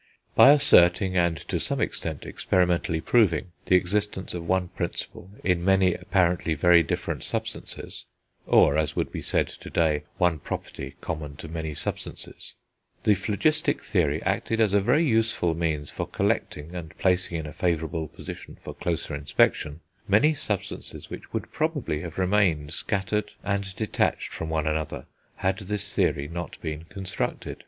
By asserting, and to some extent experimentally proving, the existence of one principle in many apparently very different substances (or, as would be said to day, one property common to many substances), the phlogistic theory acted as a very useful means for collecting, and placing in a favourable position for closer inspection, many substances which would probably have remained scattered and detached from one another had this theory not been constructed.